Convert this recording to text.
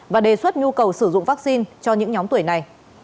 và đề xuất nhu cầu sử dụng vaccine cho những nhóm tuổi này